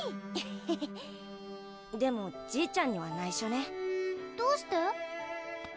ヘヘヘッでもじいちゃんにはないしょねどうして？